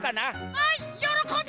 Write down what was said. はいよろこんで！